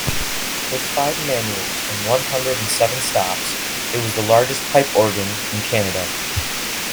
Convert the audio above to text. With five manuals and one-hundred-and-seven stops, it was the largest pipe organ in Canada.